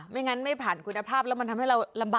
แค่นั้นแหละ